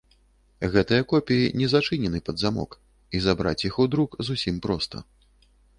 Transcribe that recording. Гэтыя копіі не зачынены пад замок, і забраць іх у друк зусім проста.